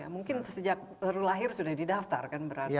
mungkin sejak baru lahir sudah didaftar kan berarti